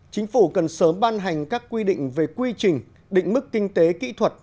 chính phủ cần sớm ban hành các quy định về quy trình định mức kinh tế kỹ thuật